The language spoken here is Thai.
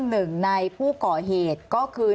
หนึ่งในผู้ก่อเหตุก็คือ